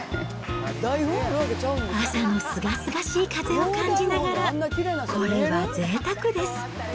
朝のすがすがしい風を感じながら、これはぜいたくです。